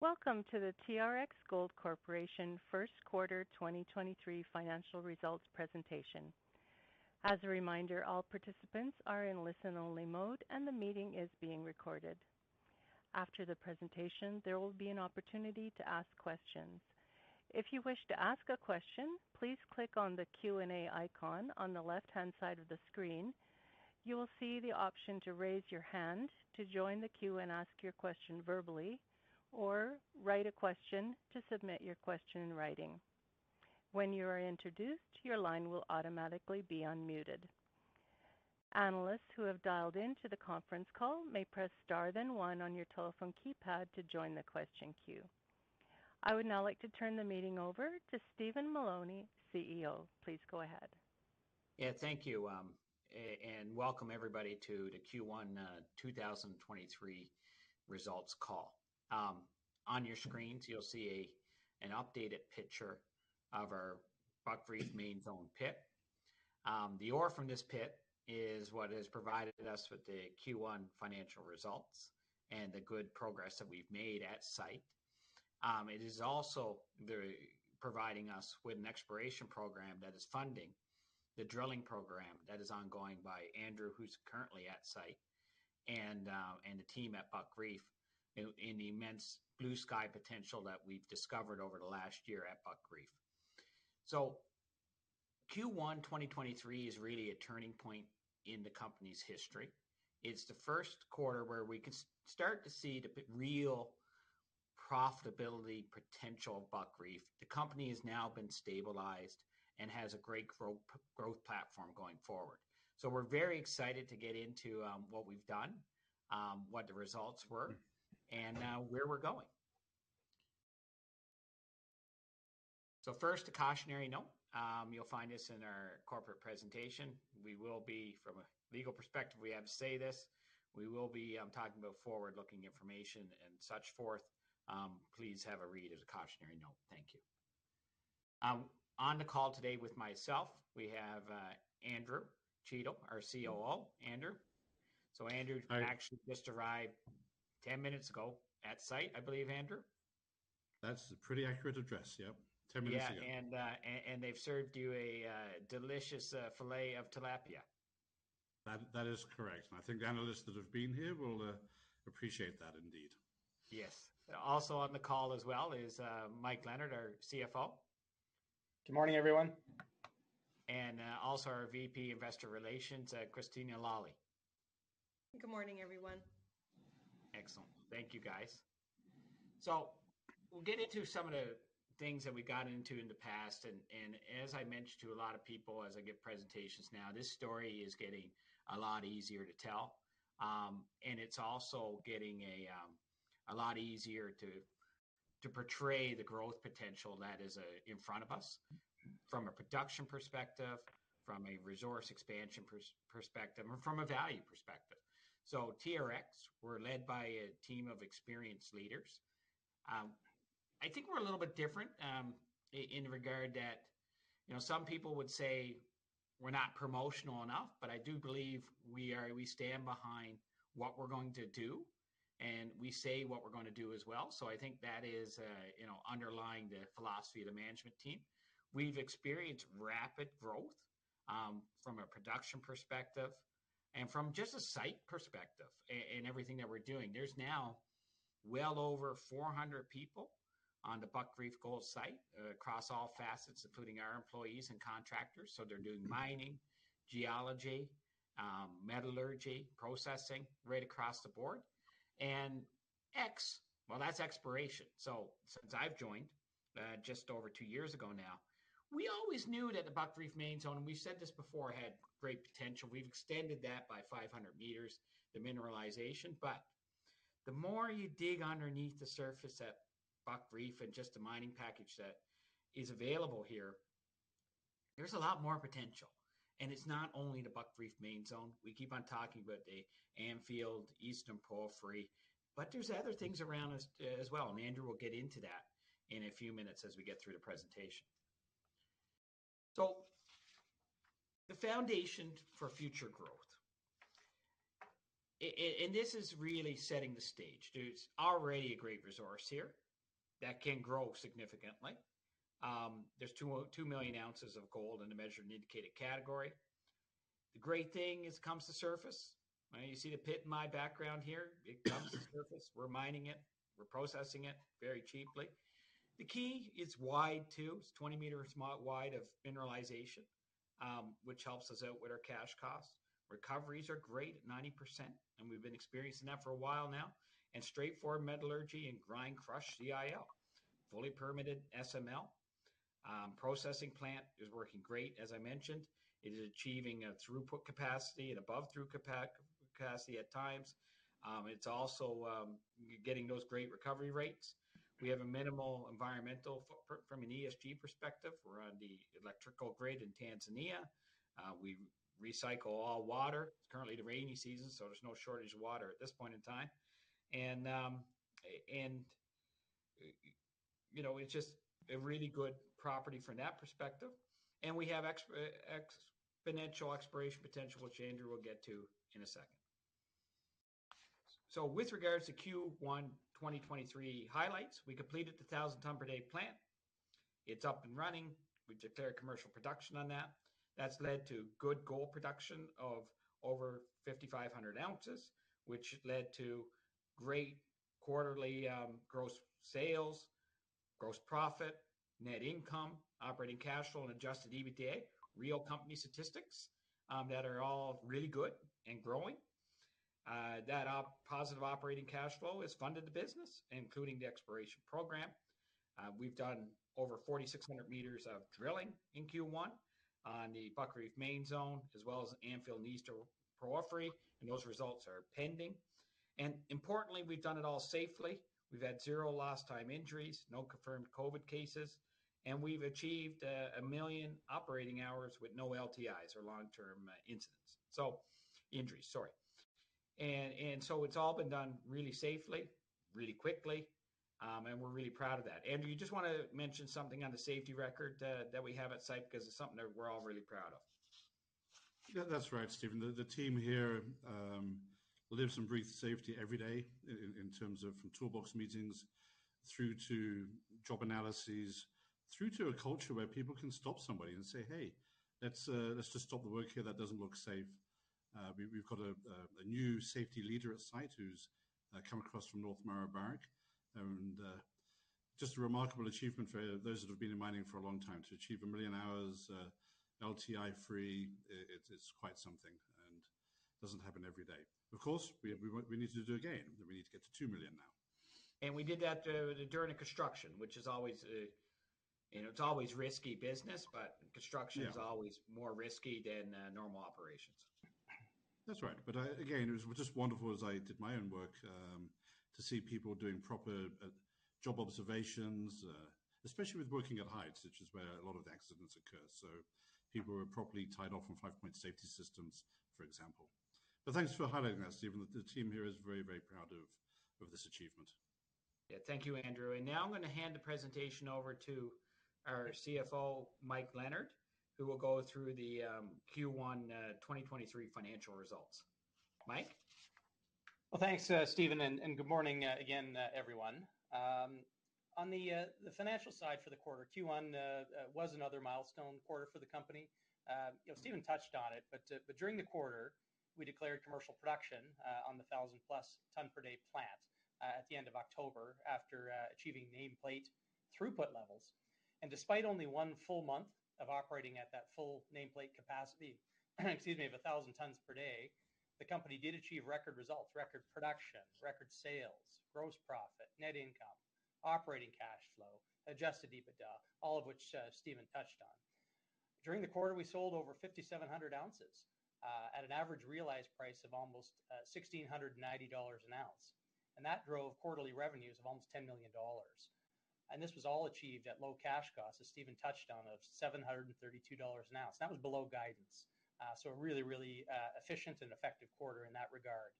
Welcome to the TRX Gold Corporation first quarter 2023 financial results presentation. As a reminder, all participants are in listen-only mode, and the meeting is being recorded. After the presentation, there will be an opportunity to ask questions. If you wish to ask a question, please click on the Q&A icon on the left-hand side of the screen. You will see the option to raise your hand to join the queue and ask your question verbally or write a question to submit your question in writing. When you are introduced, your line will automatically be unmuted. Analysts who have dialed in to the conference call may press star then one on your telephone keypad to join the question queue. I would now like to turn the meeting over to Stephen Mullowney, CEO. Please go ahead. Thank you, and welcome everybody to the Q1 2023 results call. On your screens, you'll see an updated picture of our Buckreef main zone pit. The ore from this pit is what has provided us with the Q1 financial results and the good progress that we've made at site. It is also very providing us with an exploration program that is funding the drilling program that is ongoing by Andrew, who's currently at site and the team at Buckreef in the immense blue sky potential that we've discovered over the last year at Buckreef. Q1 2023 is really a turning point in the company's history. It's the first quarter where we can start to see the real profitability potential of Buckreef. The company has now been stabilized and has a great growth platform going forward. We're very excited to get into what we've done, what the results were, and where we're going. First, a cautionary note. You'll find this in our corporate presentation. We will be from a legal perspective, we have to say this, we will be talking about forward-looking information and such forth. Please have a read as a cautionary note. Thank you. On the call today with myself, we have Andrew Cheatle, our COO. Andrew. Hi. actually just arrived 10 minutes ago at site, I believe, Andrew? That's a pretty accurate address, yep. 10 minutes ago. Yeah, they've served you a, delicious, filet of tilapia. That is correct. I think the analysts that have been here will appreciate that indeed. Yes. Also on the call as well is Michael Leonard, our CFO. Good morning, everyone. also our VP Investor Relations, Christina Lalli. Good morning, everyone. Excellent. Thank you, guys. We'll get into some of the things that we got into in the past and as I mentioned to a lot of people as I give presentations now, this story is getting a lot easier to tell. And it's also getting a lot easier to portray the growth potential that is in front of us from a production perspective, from a resource expansion perspective, or from a value perspective. TRX, we're led by a team of experienced leaders. I think we're a little bit different in regard that, you know, some people would say we're not promotional enough, but I do believe we are, we stand behind what we're going to do, and we say what we're gonna do as well. I think that is, you know, underlying the philosophy of the management team. We've experienced rapid growth, from a production perspective and from just a site perspective and everything that we're doing. There's now well over 400 people on the Buckreef Gold site, across all facets, including our employees and contractors. They're doing mining, geology, metallurgy, processing, right across the board. Well, that's exploration. Since I've joined, just over two years ago now, we always knew that the Buckreef main zone, and we've said this before, had great potential. We've extended that by 500 meters, the mineralization. The more you dig underneath the surface at Buckreef and just the mining package that is available here, there's a lot more potential. It's not only the Buckreef main zone. We keep on talking about the Anfield Eastern porphyry, but there's other things around as well, and Andrew will get into that in a few minutes as we get through the presentation. The foundation for future growth. This is really setting the stage. There's already a great resource here that can grow significantly. There's 2 million ounces of gold in the measured and indicated category. The great thing is it comes to surface. I mean, you see the pit in my background here. It comes to surface. We're mining it, we're processing it very cheaply. The key, it's wide too. It's 20 meters wide of mineralization, which helps us out with our cash costs. Recoveries are great at 90%, and we've been experiencing that for a while now. Straightforward metallurgy and grind, crush, CIL. Fully permitted SML. Processing plant is working great, as I mentioned. It is achieving a throughput capacity and above throughput capacity at times. It's also getting those great recovery rates. We have a minimal environmental footprint from an ESG perspective. We're on the electrical grid in Tanzania. We recycle all water. It's currently the rainy season, there's no shortage of water at this point in time. You know, it's just a really good property from that perspective, and we have exponential exploration potential, which Andrew will get to in a second. With regards to Q1 2023 highlights, we completed the 1,000 tonne per day plant. It's up and running. We declared commercial production on that. That's led to good gold production of over 5,500 ounces, which led to great quarterly gross sales, gross profit, net income, operating cash flow, and Adjusted EBITDA, real company statistics that are all really good and growing. That positive operating cash flow has funded the business, including the exploration program. We've done over 4,600 meters of drilling in Q1 on the Buckreef Main zone, as well as Anfield East Porphyry, and those results are pending. Importantly, we've done it all safely. We've had zero lost time injuries, no confirmed COVID cases, and we've achieved 1 million operating hours with no LTIs or long-term incidents. Injuries, sorry. It's all been done really safely, really quickly, and we're really proud of that. Andrew, you just wanna mention something on the safety record that we have at site? It's something that we're all really proud of. Yeah, that's right, Stephen. The team here lives and breathes safety every day in terms of from toolbox meetings through to job analyses, through to a culture where people can stop somebody and say, "Hey, let's just stop the work here. That doesn't look safe." We've got a new safety leader at site who's come across from North Mara Barrick, and just a remarkable achievement for those that have been in mining for a long time. To achieve 1 million hours LTI-free, it's quite something and doesn't happen every day. Of course, we need to do it again. We need to get to 2 million now. We did that, during the construction, which is always, you know, it's always risky business, but construction. Yeah... is always more risky than normal operations. That's right. Again, it was just wonderful as I did my own work, to see people doing proper job observations, especially with working at heights, which is where a lot of accidents occur. People were properly tied off on five-point safety systems, for example. Thanks for highlighting that, Stephen. The team here is very, very proud of this achievement. Yeah. Thank you, Andrew. Now I'm gonna hand the presentation over to our CFO, Michael Leonard, who will go through the Q1 2023 financial results. Mike? Well, thanks, Stephen, and good morning, again, everyone. On the financial side for the quarter, Q1 was another milestone quarter for the company. You know, Stephen touched on it, but during the quarter, we declared commercial production on the 1,000+ tonne per day plant at the end of October after achieving nameplate throughput levels. Despite only one full month of operating at that full nameplate capacity, excuse me, of 1,000 tonnes per day, the company did achieve record results, record production, record sales, gross profit, net income, operating cash flow, Adjusted EBITDA, all of which Stephen touched on. During the quarter, we sold over 5,700 ounces at an average realized price of almost $1,690 an ounce. That drove quarterly revenues of almost $10 million. This was all achieved at low cash costs, as Steven touched on, of $732 an ounce. That was below guidance, a really, really efficient and effective quarter in that regard.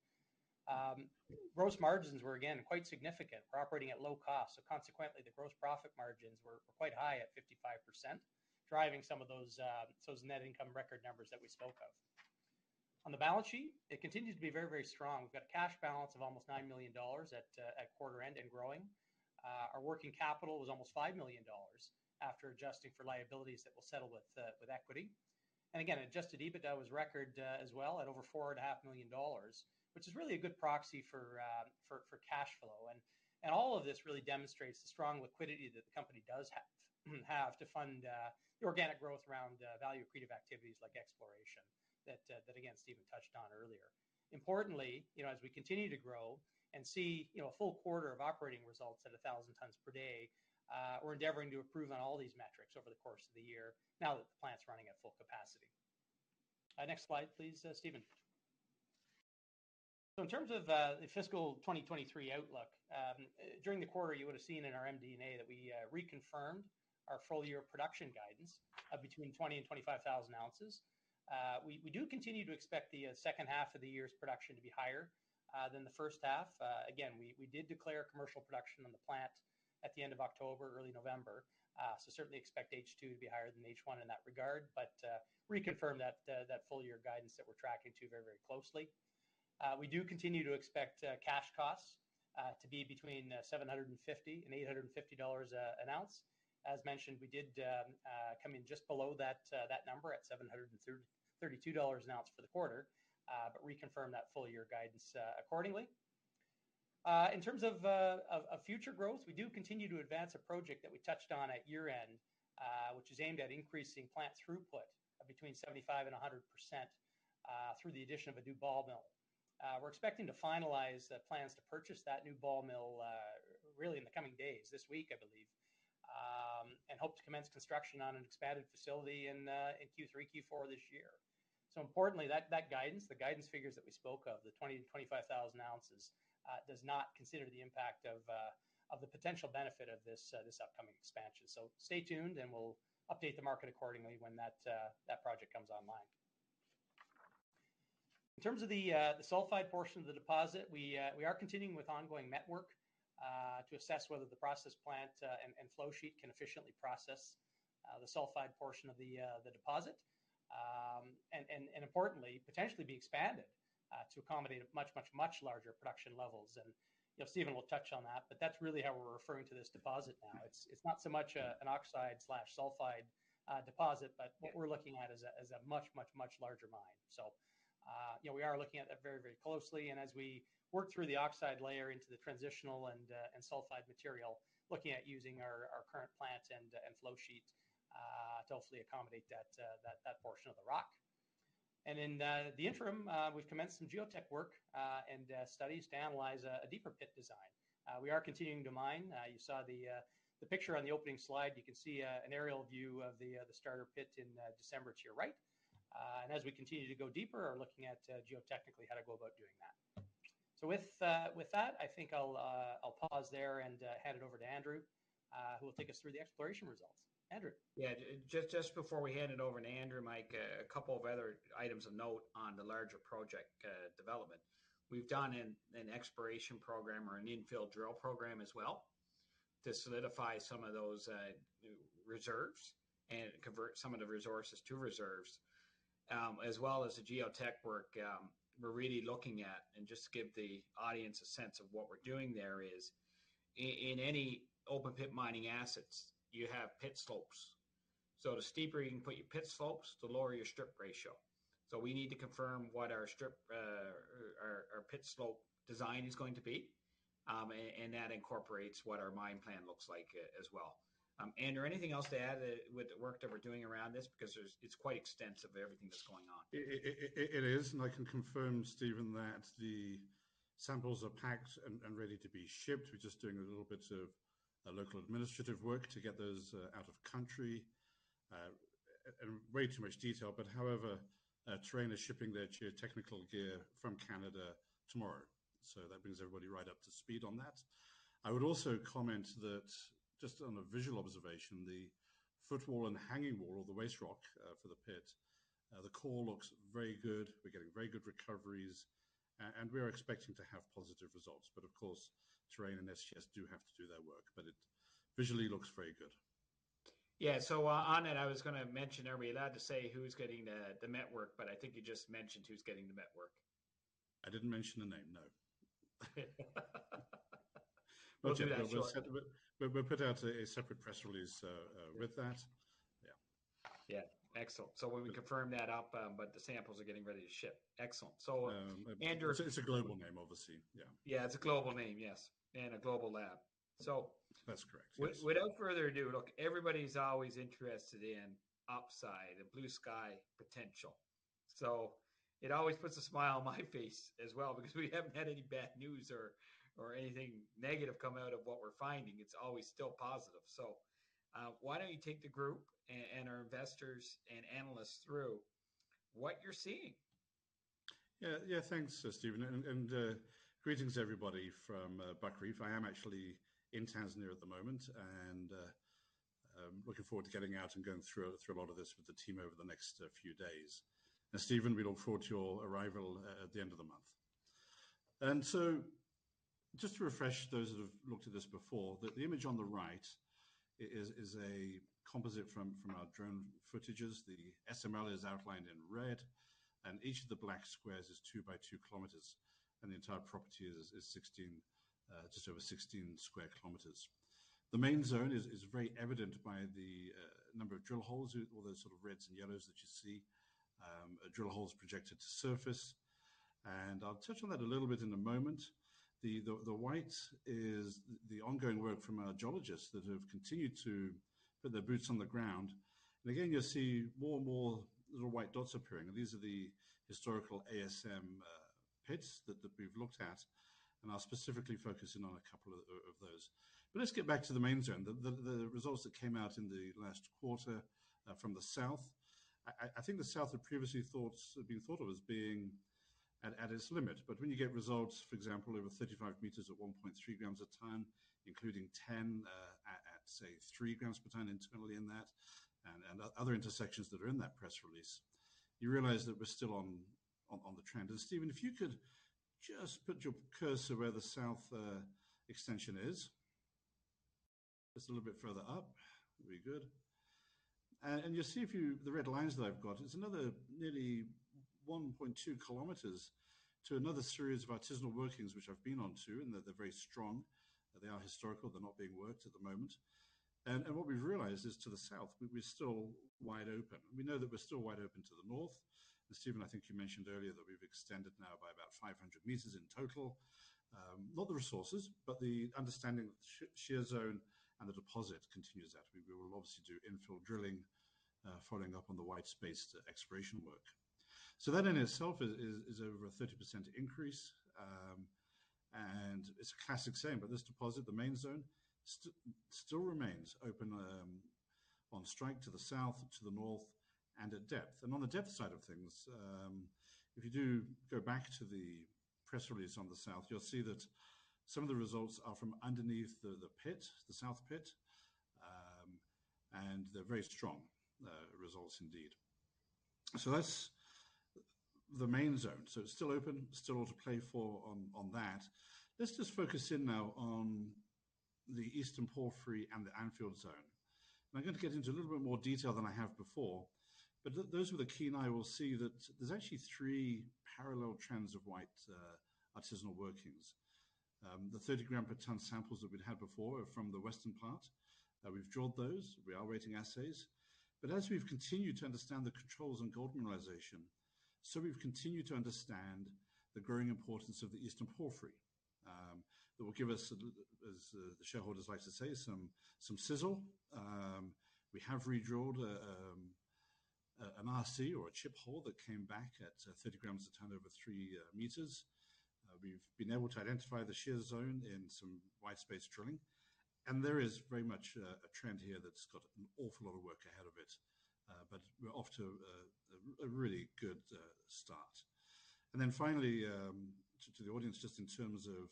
Gross margins were again quite significant. We're operating at low cost. Consequently, the gross profit margins were quite high at 55%, driving some of those net income record numbers that we spoke of. On the balance sheet, it continued to be very, very strong. We've got a cash balance of almost $9 million at quarter end and growing. Our working capital was almost $5 million after adjusting for liabilities that we'll settle with equity. Again, Adjusted EBITDA was record as well at over $4.5 million, which is really a good proxy for cash flow. All of this really demonstrates the strong liquidity that the company does have to fund the organic growth around value accretive activities like exploration that again, Stephen touched on earlier. Importantly, you know, as we continue to grow and see, you know, a full quarter of operating results at 1,000 tonnes per day, we're endeavoring to improve on all these metrics over the course of the year now that the plant's running at full capacity. Next slide, please, Stephen. In terms of the fiscal 2023 outlook, during the quarter, you would've seen in our MD&A that we reconfirmed our full year production guidance of between 20,000 and 25,000 ounces. We do continue to expect the second half of the year's production to be higher than the first half. Again, we did declare commercial production on the plant at the end of October, early November, so certainly expect H2 to be higher than H1 in that regard, but reconfirm that full year guidance that we're tracking to very closely. We do continue to expect cash costs to be between $750 and $850 an ounce. As mentioned, we did come in just below that number at $732 an ounce for the quarter, but reconfirm that full year guidance accordingly. In terms of future growth, we do continue to advance a project that we touched on at year-end, which is aimed at increasing plant throughput of between 75% and 100% through the addition of a new ball mill. We're expecting to finalize plans to purchase that new ball mill really in the coming days, this week, I believe, and hope to commence construction on an expanded facility in Q3, Q4 this year. Importantly, that guidance, the guidance figures that we spoke of, the 20,000-25,000 ounces, does not consider the impact of the potential benefit of this upcoming expansion. Stay tuned, and we'll update the market accordingly when that project comes online. In terms of the sulfide portion of the deposit, we are continuing with ongoing network to assess whether the process plant and flow sheet can efficiently process the sulfide portion of the deposit. Importantly, potentially be expanded to accommodate a much larger production levels. You know, Stephen will touch on that, but that's really how we're referring to this deposit now. It's not so much an oxide/sulfide deposit, but what we're looking at is a much, much, much larger mine. You know, we are looking at that very, very closely, and as we work through the oxide layer into the transitional and sulfide material, looking at using our current plant and flow sheet to hopefully accommodate that portion of the rock. In the interim, we've commenced some geotech work and studies to analyze a deeper pit design. We are continuing to mine. You saw the picture on the opening slide. You can see an aerial view of the starter pit in December to your right. As we continue to go deeper, are looking at geotechnically how to go about doing that. With that, I think I'll pause there and hand it over to Andrew, who will take us through the exploration results. Andrew. Yeah. Just before we hand it over to Andrew, Mike, a couple of other items of note on the larger project development. We've done an exploration program or an infill drill program as well to solidify some of those reserves and convert some of the resources to reserves, as well as the geotech work, we're really looking at. Just to give the audience a sense of what we're doing there is in any open pit mining assets, you have pit slopes. The steeper you can put your pit slopes, the lower your strip ratio. We need to confirm what our strip or our pit slope design is going to be, and that incorporates what our mine plan looks like as well. Andrew, anything else to add with the work that we're doing around this? It's quite extensive, everything that's going on. It is. I can confirm, Stephen, that the samples are packed and ready to be shipped. We're just doing a little bit of local administrative work to get those out of country. Way too much detail, but however, Terrain is shipping their geotechnical gear from Canada tomorrow. That brings everybody right up to speed on that. I would also comment that just on a visual observation, the footwall and the hanging wall or the waste rock for the pit, the core looks very good. We're getting very good recoveries. We're expecting to have positive results, but of course, Terrain and SGS do have to do their work, but it visually looks very good. Yeah. on it, I was gonna mention, are we allowed to say who's getting the network? I think you just mentioned who's getting the network. I didn't mention the name, no. We'll do that shortly. We'll put out a separate press release with that. Yeah. Yeah. Excellent. When we confirm that up, the samples are getting ready to ship. Excellent. Um, it- Andrew- It's a global name obviously. Yeah. Yeah. It's a global name. Yes. A global lab. That's correct. Yes. with, without further ado, look, everybody's always interested in upside and blue sky potential. It always puts a smile on my face as well because we haven't had any bad news or anything negative come out of what we're finding. It's always still positive. Why don't you take the group and our investors and analysts through what you're seeing? Yeah. Yeah. Thanks, Stephen. Greetings everybody from Buckreef. I am actually in Tanzania at the moment, and looking forward to getting out and going through a lot of this with the team over the next few days. Now, Stephen, we look forward to your arrival at the end of the month. Just to refresh those that have looked at this before, the image on the right is a composite from our drone footages. The SML is outlined in red, and each of the black squares is 2 km by 2 km, and the entire property is 16, just over 16 sq km. The main zone is very evident by the number of drill holes with all those sort of reds and yellows that you see, drill holes projected to surface. I'll touch on that a little bit in a moment. The white is the ongoing work from our geologists that have continued to put their boots on the ground. Again, you'll see more and more little white dots appearing. These are the historical ASM pits that we've looked at, and I'll specifically focus in on a couple of those. Let's get back to the main zone. The results that came out in the last quarter from the south, I think the south had previously thought been thought of as being at its limit. When you get results, for example, over 35 m at 1.3 g a ton, including 10, at say 3 g per ton internally in that and other intersections that are in that press release, you realize that we're still on the trend. Stephen, if you could just put your cursor where the south extension is. Just a little bit further up. We're good. You'll see if you the red lines that I've got, there's another nearly 1.2 km to another series of artisanal workings, which I've been onto, and they're very strong. They are historical. They're not being worked at the moment. What we've realized is to the south, we're still wide open. We know that we're still wide open to the north. Stephen, I think you mentioned earlier that we've extended now by about 500 meters in total. Not the resources, but the understanding of the shear zone and the deposit continues that. We will obviously do infill drilling, following up on the white space exploration work. That in itself is over a 30% increase. It's a classic saying, but this deposit, the main zone still remains open, on strike to the south, to the north and at depth. On the depth side of things, if you do go back to the press release on the south, you'll see that some of the results are from underneath the pit, the south pit. They're very strong results indeed. That's the main zone. It's still open, still all to play for on that. Let's just focus in now on the Eastern Porphyry and the Anfield Zone. I'm gonna get into a little bit more detail than I have before. Those with a keen eye will see that there's actually 3 parallel trends of white, artisanal workings. The 30 g per ton samples that we'd had before are from the western part, we've drilled those. We are waiting assays. As we've continued to understand the controls on gold mineralization, so we've continued to understand the growing importance of the Eastern Porphyry, that will give us as the shareholders like to say, some sizzle. We have redrawn the, an RC or a chip hole that came back at 30 g a ton over 3 m. We've been able to identify the shear zone in some wide-space drilling. There is very much a trend here that's got an awful lot of work ahead of it. We're off to a really good start. Finally, to the audience, just in terms of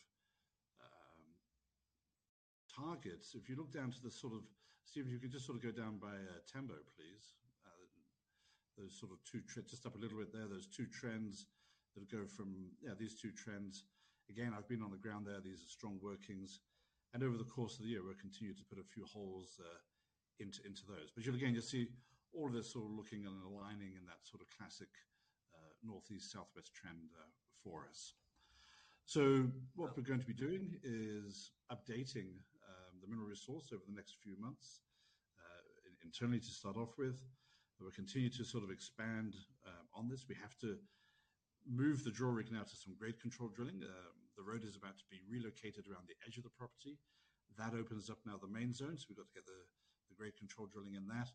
targets. Stephen, if you could just sort of go down by Tembo, please. Those sort of two just up a little bit there. Yeah, these two trends. Again, I've been on the ground there. These are strong workings, and over the course of the year we'll continue to put a few holes into those. You'll, again, you'll see all of this sort of looking and aligning in that sort of classic northeast-southwest trend for us. What we're going to be doing is updating the mineral resource over the next few months, internally to start off with. We'll continue to sort of expand on this. We have to move the drill rig now to some grade control drilling. The road is about to be relocated around the edge of the property. That opens up now the main zone, so we've got to get the grade control drilling in that.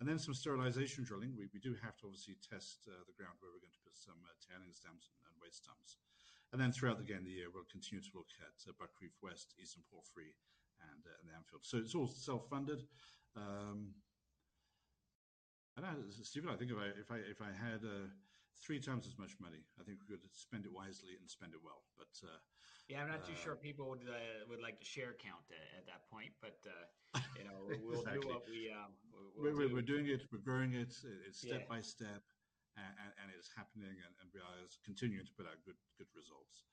Then some sterilization drilling. We do have to obviously test the ground where we're going to put some tailings dams and waste dumps. Then throughout, again, the year, we'll continue to look at Buckreef West, Eastern Porphyry and Anfield. It's all self-funded. I don't know, Stephen, I think if I had 3 times as much money, I think we could spend it wisely and spend it well. Yeah, I'm not too sure people would like the share count at that point. Exactly... you know, we'll do. We're doing it. We're growing it. Yeah... step-by-step and it's happening and we are continuing to put out good results.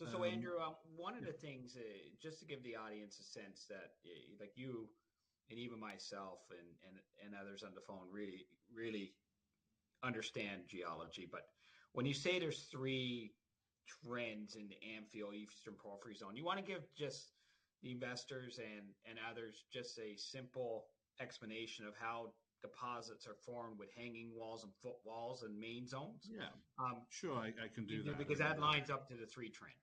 Andrew Cheatle, one of the things, just to give the audience a sense that, like you and even myself and others on the phone really understand geology. When you say there's three trends in the Anfield Eastern Porphyry Zone, you wanna give just the investors and others just a simple explanation of how deposits are formed with hanging walls and foot walls and main zones? Yeah. Um- Sure, I can do that. That lines up to the three trends.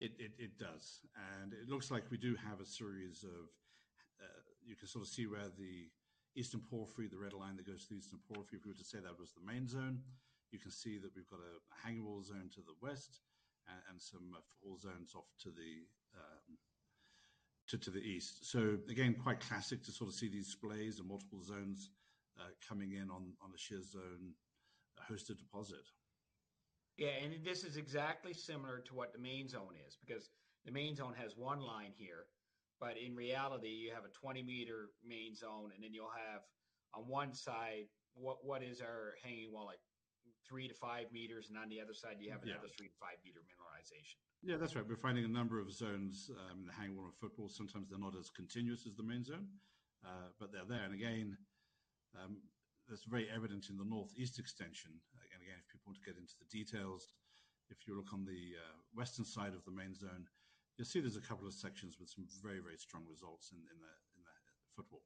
It does. It looks like we do have a series of, you can sort of see where the Eastern Porphyry, the red line that goes through the Eastern Porphyry, if we were to say that was the main zone. You can see that we've got a hanging wall zone to the west and some foot wall zones off to the east. Again, quite classic to sort of see these splays and multiple zones, coming in on a shear zone hosted deposit. Yeah, this is exactly similar to what the main zone is because the main zone has one line here, but in reality you have a 20 m main zone, and then you'll have on one side what is our hanging wall like three to five meters, and on the other side you have... Yeah another 3 m to 5 m mineralization. Yeah, that's right. We're finding a number of zones, hanging wall and foot wall. Sometimes they're not as continuous as the main zone, but they're there. Again, that's very evident in the northeast extension. Again, if people want to get into the details, if you look on the western side of the main zone, you'll see there's a couple of sections with some very, very strong results in the foot wall.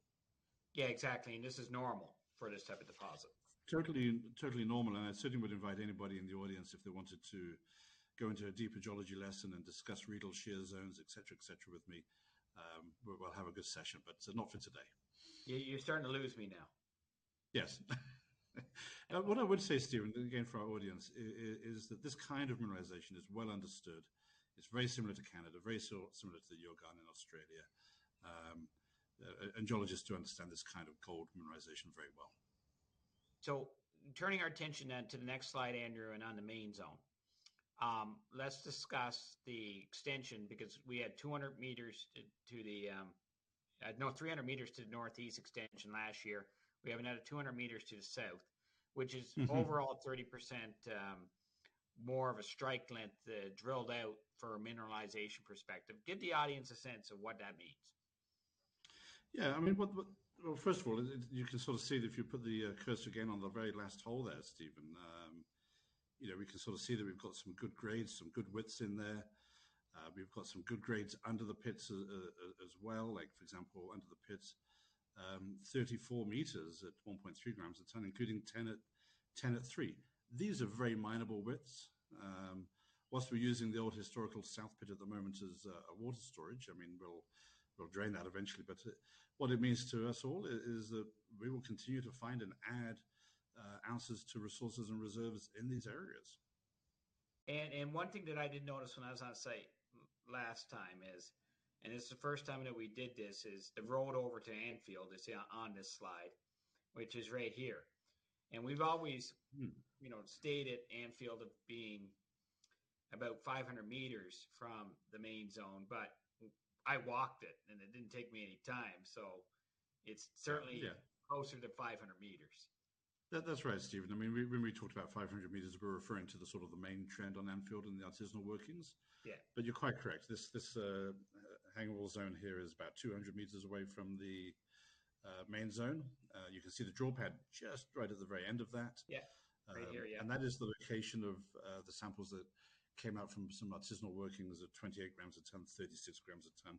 Yeah, exactly. This is normal for this type of deposit. Totally normal, I certainly would invite anybody in the audience if they wanted to go into a deeper geology lesson and discuss regional shear zones, et cetera, et cetera, with me. We'll have a good session, but not for today. You're starting to lose me now. Yes. What I would say, Stephen, and again for our audience, is that this kind of mineralization is well understood. It's very similar to Canada, very similar to the Youanmi in Australia. Geologists do understand this kind of gold mineralization very well. Turning our attention to the next slide, Andrew, on the main zone. Let's discuss the extension because we had 200 m to the, no 300 m to the northeast extension last year. We have another 200 meters to the south, which is. Mm-hmm... overall 30% more of a strike length drilled out for a mineralization perspective. Give the audience a sense of what that means. Yeah, I mean, what. Well, first of all, you can sort of see it if you put the cursor again on the very last hole there, Stephen. You know, we can sort of see that we've got some good grades, some good widths in there. We've got some good grades under the pits as well. Like, for example, under the pits, 34 m at 1.3 g a ton, including 10 at 3. These are very mineable widths. Whilst we're using the old historical south pit at the moment as a water storage, I mean, we'll drain that eventually. What it means to us all is that we will continue to find and add ounces to resources and reserves in these areas. One thing that I did notice when I was on site last time is, and it's the first time that we did this, is the road over to Anfield is on this slide, which is right here. We've always- Mm-hmm... you know, stated Anfield of being about 500 m from the main zone, but I walked it, and it didn't take me any time, so it's certainly. Yeah. closer to 500 meters. That's right, Stephen. I mean, when we talked about 500 meters, we're referring to the sort of the main trend on Anfield and the artisanal workings. Yeah. You're quite correct. This hanging wall zone here is about 200 m away from the main zone. You can see the drill pad just right at the very end of that. Yeah. Right here, yeah. That is the location of the samples that came out from some artisanal workings at 28 g a ton, 36 g a ton.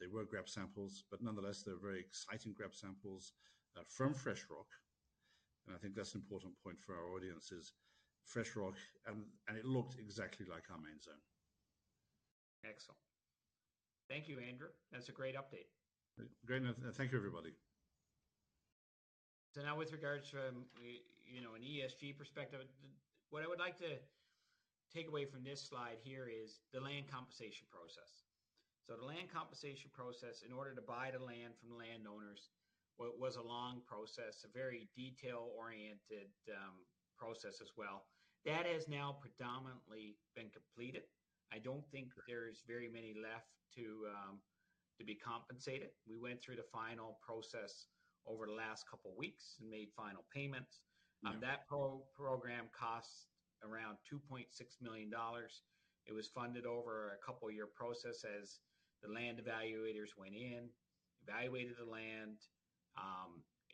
They were grab samples, nonetheless, they're very exciting grab samples, from fresh rock. I think that's an important point for our audience is fresh rock, and it looked exactly like our main zone. Excellent. Thank you, Andrew. That's a great update. Great. thank you, everybody. Now with regards from, you know, an ESG perspective, what I would like to take away from this slide here is the land compensation process. The land compensation process, in order to buy the land from the landowners, was a long process, a very detail-oriented process as well. That has now predominantly been completed. I don't think there's very many left to be compensated. We went through the final process over the last couple weeks and made final payments. Mm-hmm. That program costs around $2.6 million. It was funded over a couple year process as the land evaluators went in, evaluated the land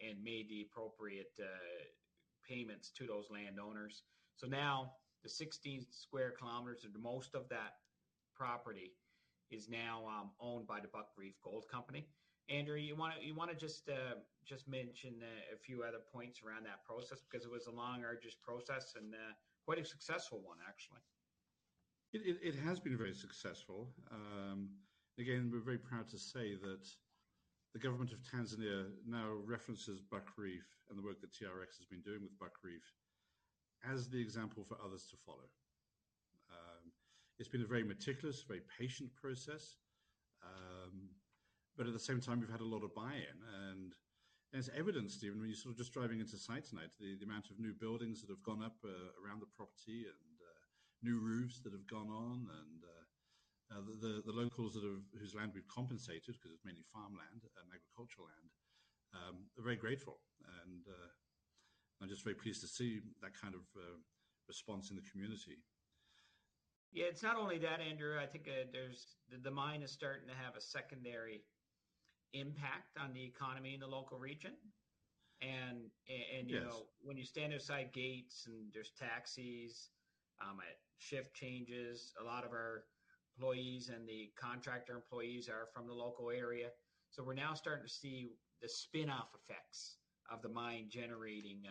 and made the appropriate payments to those landowners. Now the 16 sq km of the most of that property is now owned by the Buckreef Gold Company. Andrew, you wanna just mention a few other points around that process? It was a long, arduous process and quite a successful one, actually. It has been very successful. Again, we're very proud to say that the government of Tanzania now references Buckreef and the work that TRX has been doing with Buckreef as the example for others to follow. It's been a very meticulous, very patient process. But at the same time, we've had a lot of buy-in, and as evidenced, Stephen, when you're sort of just driving into site tonight, the amount of new buildings that have gone up around the property and new roofs that have gone on and the locals whose land we've compensated, because it's mainly farmland, agricultural land, are very grateful. I'm just very pleased to see that kind of response in the community. Yeah. It's not only that, Andrew, I think, The mine is starting to have a secondary impact on the economy in the local region. Yes... you know, when you stand outside gates and there's taxis at shift changes, a lot of our employees and the contractor employees are from the local area. We're now starting to see the spinoff effects of the mine generating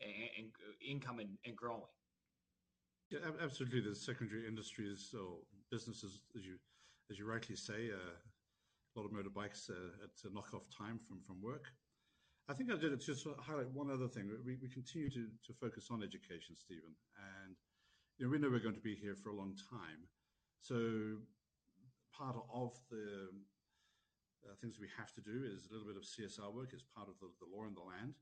in-income and growing. Yeah. Absolutely. The secondary industries or businesses, as you, as you rightly say, a lot of motorbikes at knock off time from work. I think I'll just highlight one other thing. We continue to focus on education, Stephen, and, you know, we know we're going to be here for a long time. Part of the things we have to do is a little bit of CSR work as part of the law in the land,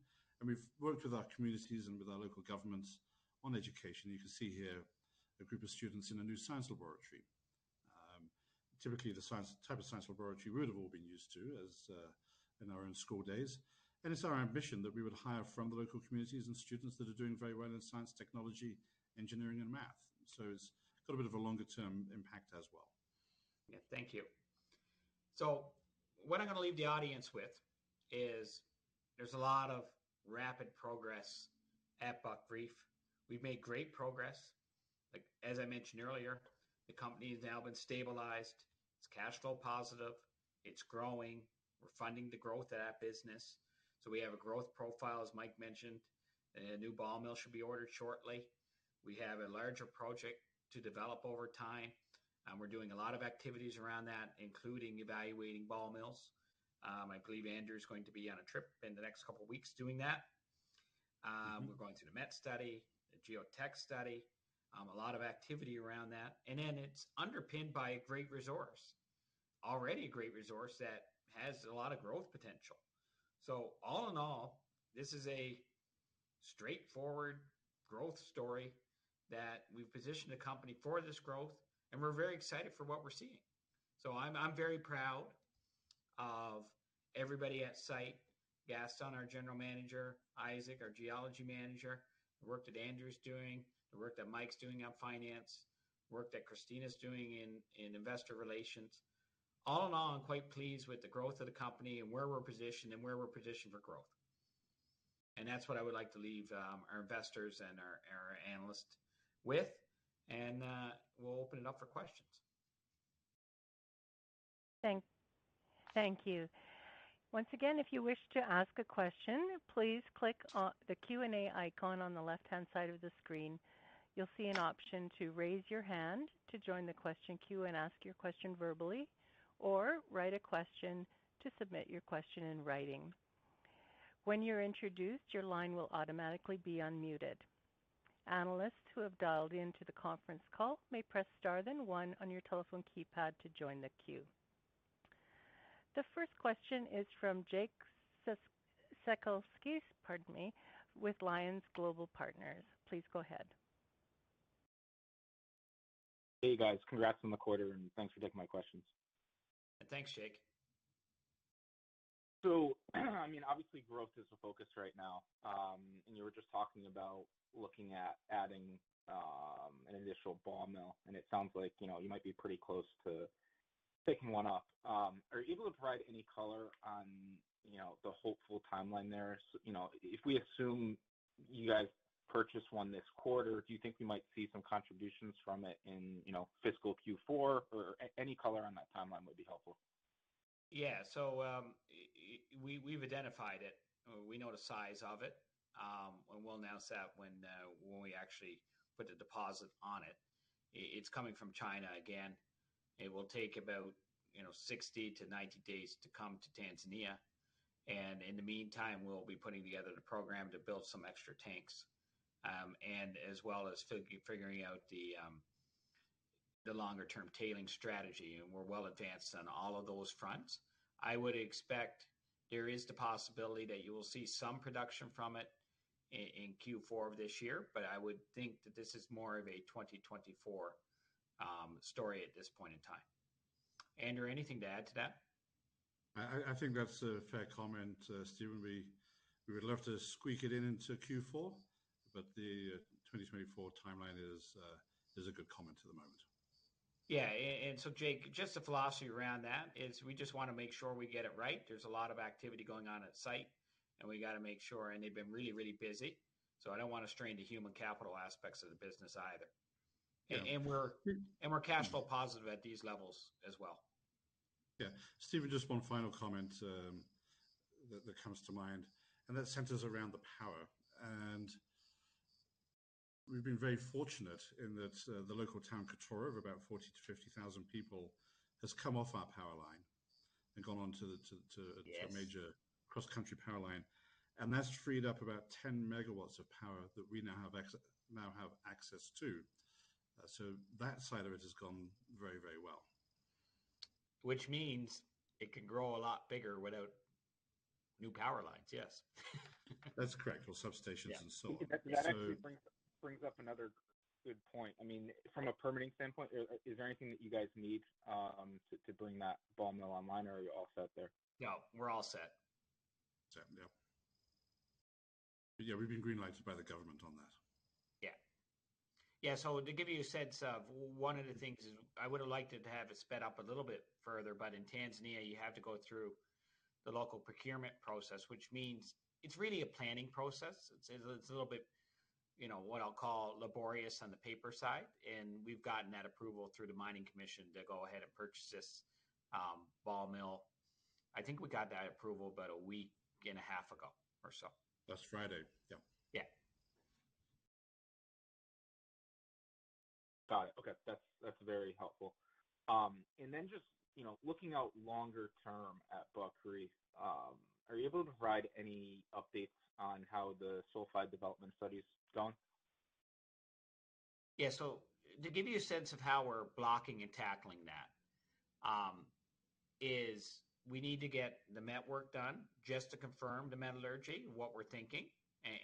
and we've worked with our communities and with our local governments on education. You can see here a group of students in a new science laboratory. Typically the type of science laboratory we would have all been used to as in our own school days. It's our ambition that we would hire from the local communities and students that are doing very well in science, technology, engineering, and math. It's got a bit of a longer-term impact as well. Yeah. Thank you. What I'm gonna leave the audience with is there's a lot of rapid progress at Buckreef. We've made great progress. Like as I mentioned earlier, the company has now been stabilized. It's cash flow positive. It's growing. We're funding the growth of that business. We have a growth profile, as Mike mentioned. A new ball mill should be ordered shortly. We have a larger project to develop over time, and we're doing a lot of activities around that, including evaluating ball mills. I believe Andrew is going to be on a trip in the next couple of weeks doing that. We're going through the metallurgical study, the geotech study, a lot of activity around that. Then it's underpinned by a great resource, already a great resource that has a lot of growth potential. All in all, this is a straightforward growth story that we've positioned the company for this growth, and we're very excited for what we're seeing. I'm very proud of everybody at site, Gaston, our general manager, Isaac, our geology manager, the work that Andrew's doing, the work that Mike's doing on finance, work that Christina's doing in investor relations. All in all, I'm quite pleased with the growth of the company and where we're positioned and where we're positioned for growth. That's what I would like to leave our investors and our analysts with. We'll open it up for questions. Thank you. Once again, if you wish to ask a question, please click on the Q&A icon on the left-hand side of the screen. You'll see an option to raise your hand to join the question queue and ask your question verbally, or write a question to submit your question in writing. When you're introduced, your line will automatically be unmuted. Analysts who have dialed in to the conference call may press star then one on your telephone keypad to join the queue. The first question is from Jake Sekelsky, pardon me, with Alliance Global Partners. Please go ahead. Hey guys. Congrats on the quarter and thanks for taking my questions. Thanks, Jake. I mean, obviously growth is a focus right now, and you were just talking about looking at adding an initial ball mill, and it sounds like, you know, you might be pretty close to picking one up. Are you able to provide any color on, you know, the hopeful timeline there? You know, if we assume you guys purchase one this quarter, do you think we might see some contributions from it in, you know, fiscal Q4? Any color on that timeline would be helpful. Yeah. We've identified it. We know the size of it, and we'll announce that when we actually put the deposit on it. It's coming from China again. It will take about, you know, 60 to 90 days to come to Tanzania, and in the meantime, we'll be putting together the program to build some extra tanks. As well as figuring out the longer-term tailing strategy, and we're well advanced on all of those fronts. I would expect there is the possibility that you will see some production from it in Q4 of this year, but I would think that this is more of a 2024 story at this point in time. Andrew, anything to add to that? I think that's a fair comment, Stephen. We would love to squeak it in into Q4, but the 2024 timeline is a good comment at the moment. Yeah. Jake, just the philosophy around that is we just wanna make sure we get it right. There's a lot of activity going on at site, and we gotta make sure... They've been really busy, so I don't wanna strain the human capital aspects of the business either. Yeah. we're cash flow positive at these levels as well. Yeah. Stephen, just one final comment that comes to mind, and that centers around the power. We've been very fortunate in that the local town, Katoro, of about 40,000 to 50,000 people has come off our power line and gone on to the. Yes... to a major cross-country power line. That's freed up about 10 MW of power that we now have access to. That side of it has gone very, very well. Which means it can grow a lot bigger without new power lines. Yes. That's correct. Substations- Yeah... and so on. That actually brings up another good point. I mean. Right... from a permitting standpoint, is there anything that you guys need to bring that ball mill online or are you all set there? No, we're all set. Set, yep. Yeah, we've been green-lighted by the government on that. Yeah. Yeah, to give you a sense of one of the things is I would've liked to have it sped up a little bit further, but in Tanzania you have to go through the local procurement process, which means it's really a planning process. It's a little bit, you know, what I'll call laborious on the paper side. We've gotten that approval through the Mining Commission to go ahead and purchase this ball mill. I think we got that approval about a week and a half ago or so. Last Friday. Yeah. Yeah. Got it. Okay. That's, that's very helpful. Then just, you know, looking out longer term at Buckreef, are you able to provide any updates on how the sulfide development study's going? Yeah. To give you a sense of how we're blocking and tackling that, is we need to get the met work done just to confirm the metallurgy and what we're thinking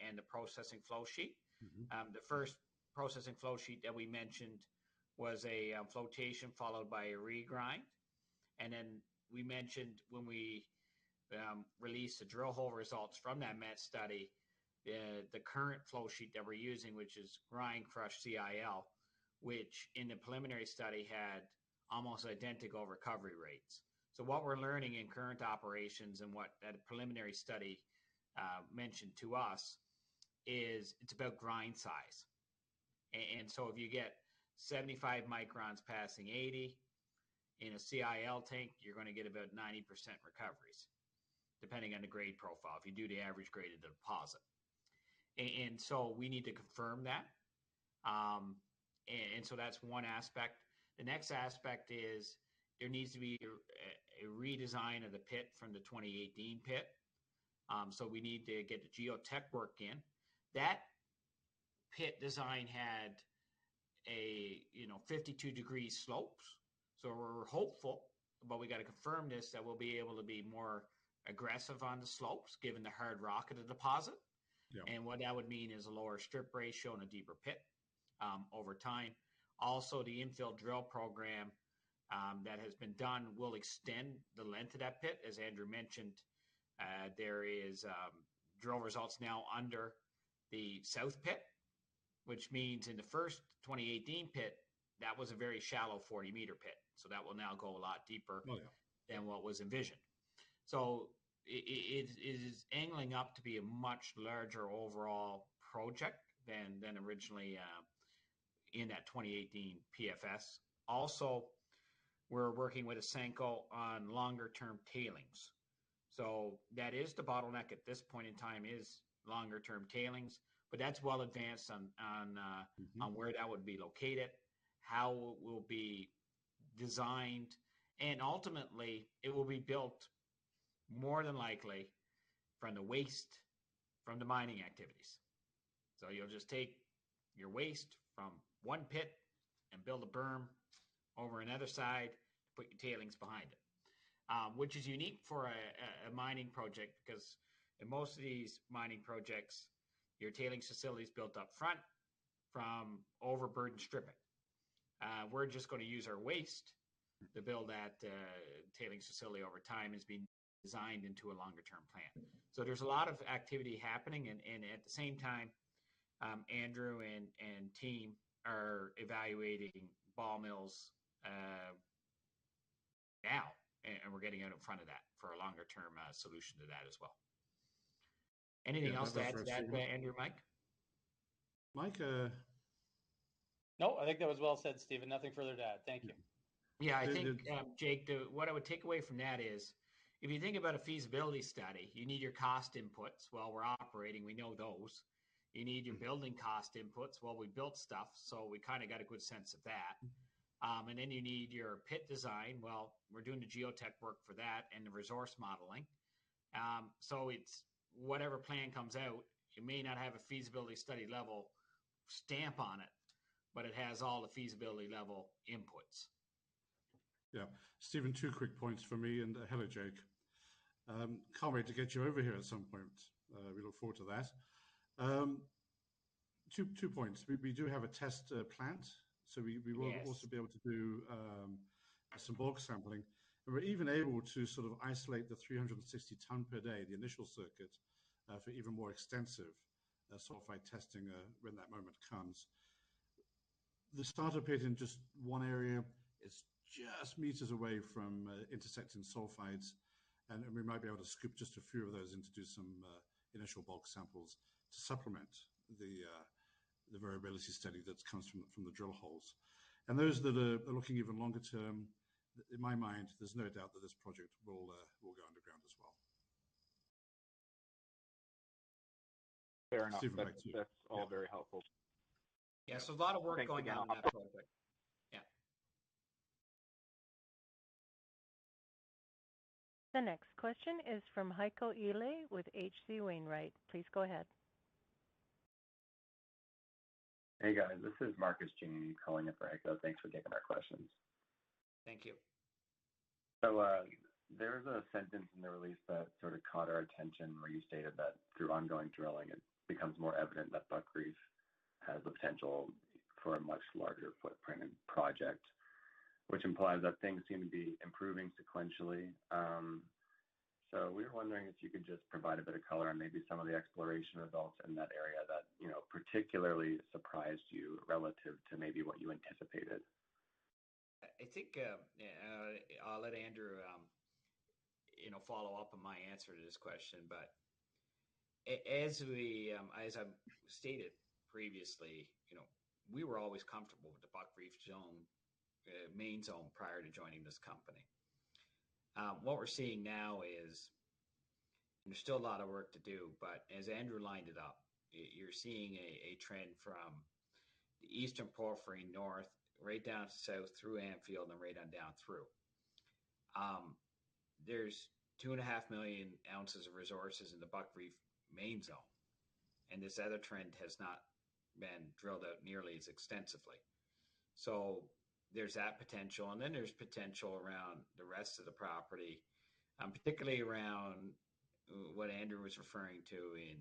and the processing flow sheet. Mm-hmm. The first processing flow sheet that we mentioned was a flotation followed by a regrind. Then we mentioned when we released the drill hole results from that met study, the current flow sheet that we're using, which is grind, crush, CIL, which in the preliminary study had almost identical recovery rates. What we're learning in current operations and what that preliminary study mentioned to us is it's about grind size. If you get 75 microns passing 80% in a CIL tank, you're gonna get about 90% recoveries, depending on the grade profile, if you do the average grade of the deposit. We need to confirm that. That's one aspect. The next aspect is there needs to be a redesign of the pit from the 2018 pit. We need to get the geotech work in. That pit design had, you know, 52 degree slopes. We're hopeful, but we gotta confirm this, that we'll be able to be more aggressive on the slopes given the hard rock of the deposit. Yeah. What that would mean is a lower strip ratio and a deeper pit, over time. Also, the infill drill program, that has been done will extend the length of that pit. As Andrew mentioned, there is, drill results now under the south pit, which means in the first 2018 pit, that was a very shallow 40 m pit, that will now go a lot deeper. Oh, yeah. than what was envisioned. It is angling up to be a much larger overall project than originally in that 2018 PFS. Also, we're working with Nseko on longer term tailings. That is the bottleneck at this point in time is longer term tailings, but that's well advanced on. Mm-hmm on where that would be located, how it will be designed, and ultimately it will be built. More than likely from the waste from the mining activities. You'll just take your waste from one pit and build a berm over another side, put your tailings behind it. Which is unique for a mining project 'cause in most of these mining projects, your tailings facility is built up front from overburden stripping. We're just gonna use our waste to build that tailings facility over time as being designed into a longer-term plan. There's a lot of activity happening and at the same time, Andrew and team are evaluating ball mills now, and we're getting out in front of that for a longer-term solution to that as well. Anything else to add to that, Andrew, Mike? Mike. No, I think that was well said, Stephen. Nothing further to add. Thank you. Yeah. Yeah, I think, Jake, What I would take away from that is if you think about a feasibility study, you need your cost inputs. We're operating, we know those. You need your building cost inputs. We built stuff, so we kinda got a good sense of that. Then you need your pit design. We're doing the geotech work for that and the resource modeling. It's whatever plan comes out, it may not have a feasibility study level stamp on it, but it has all the feasibility level inputs. Stephen, two quick points from me and hello, Jake. Can't wait to get you over here at some point. We look forward to that. Two points. We do have a test plant, so Yes we will also be able to do some bulk sampling. We're even able to sort of isolate the 360 ton per day, the initial circuit, for even more extensive sulfide testing, when that moment comes. The starter pit in just one area is just meters away from intersecting sulfides, and then we might be able to scoop just a few of those and to do some initial bulk samples to supplement the variability study that comes from the drill holes. Those that are looking even longer term, in my mind, there's no doubt that this project will go underground as well. Fair enough. Super. That's all very helpful. Yeah, a lot of work going on in that project. Yeah. The next question is from Heiko Ihle with H.C. Wainwright. Please go ahead. Hey, guys. This is Marcus Jean calling in for Heiko. Thanks for taking our questions. Thank you. There's a sentence in the release that sort of caught our attention where you stated that through ongoing drilling it becomes more evident that Buckreef has the potential for a much larger footprint and project, which implies that things seem to be improving sequentially. We were wondering if you could just provide a bit of color on maybe some of the exploration results in that area that, you know, particularly surprised you relative to maybe what you anticipated. I think, I'll let Andrew, you know, follow up on my answer to this question. As we, as I've stated previously, you know, we were always comfortable with the Buckreef zone, main zone prior to joining this company. What we're seeing now is there's still a lot of work to do, but as Andrew lined it up, you're seeing a trend from the Eastern Porphyry north right down to south through Anfield and right on down through. There's 2.5 million ounces of resources in the Buckreef main zone, and this other trend has not been drilled out nearly as extensively. There's that potential, and then there's potential around the rest of the property, particularly around what Andrew was referring to in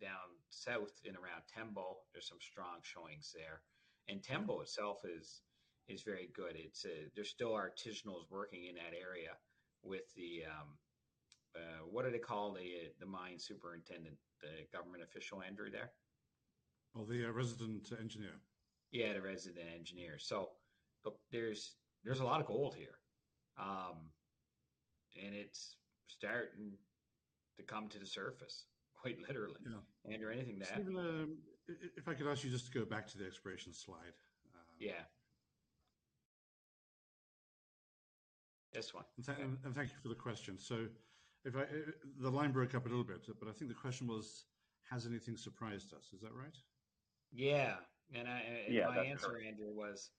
down south in around Tembo, there's some strong showings there. Tembo itself is very good. It's, there's still artisanals working in that area with the, what do they call the mine superintendent, the government official, Andrew, there? Oh, the resident engineer. Yeah, the resident engineer. Look, there's a lot of gold here, and it's starting to come to the surface quite literally. Yeah. Andrew, anything to add? Stephen, if I could ask you just to go back to the exploration slide. Yeah. This one. Thank you for the question. If I, the line broke up a little bit, but I think the question was, has anything surprised us? Is that right? Yeah. Yeah, that's correct.... my answer, Andrew, was,